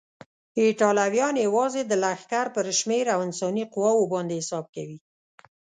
ایټالویان یوازې د لښکر پر شمېر او انساني قواوو باندې حساب کوي.